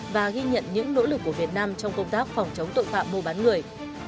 và ghi nhận những nỗ lực của việt nam trong công tác phòng chống tội phạm mua bán người